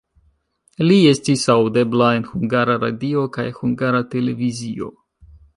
Li estis aŭdebla en Hungara Radio kaj Hungara Televizio.